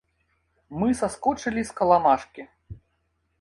Мы саскочылі з каламажкі.